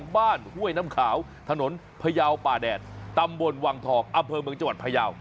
บ้านห้วยน้ำขาวถนนพยาวป่าแดดตำบลวังถอกอัมเภอมึงจวัดพยาว